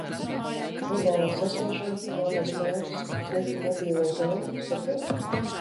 Globālā sasilšana, melnais mēris, slikta mobilo zona, saproti?